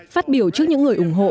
phát biểu trước những người ủng hộ